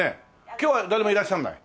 今日は誰もいらっしゃらない？